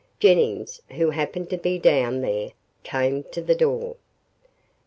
Jennings, who happened to be down there, came to the door.